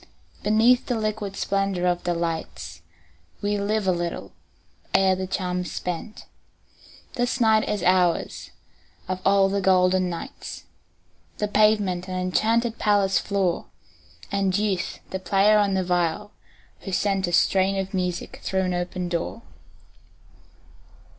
Beneath the liquid splendor of the lights We live a little ere the charm is spent; This night is ours, of all the golden nights, The pavement an enchanted palace floor, And Youth the player on the viol, who sent A strain of music through an open door.